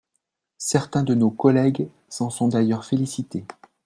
Certains de nos collègues s’en sont d’ailleurs félicités.